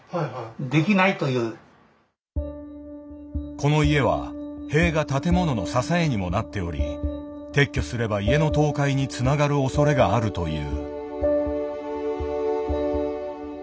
この家は塀が建物の支えにもなっており撤去すれば家の倒壊につながるおそれがあるという。